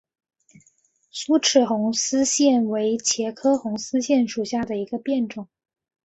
疏齿红丝线为茄科红丝线属下的一个变种。